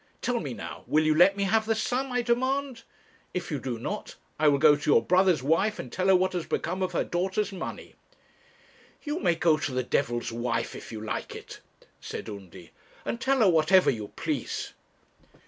Tell me now; will you let me have the sum I demand? If you do not, I will go to your brother's wife and tell her what has become of her daughter's money.' 'You may go to the devil's wife if you like it,' said Undy, 'and tell her whatever you please.'